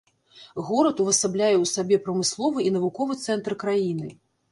Горад увасабляе ў сабе прамысловы і навуковы цэнтры краіны.